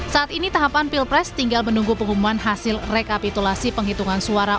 saat ini tahapan pilpres tinggal menunggu pengumuman hasil rekapitulasi penghitungan suara